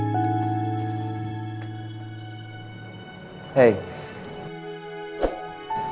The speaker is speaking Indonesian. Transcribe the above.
kayanya apa opa devin ngerti